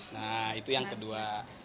nah itu yang kedua